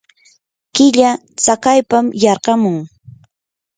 killa tsakaypam yarqamun.